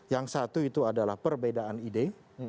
yang satu itu adalah perbedaan ide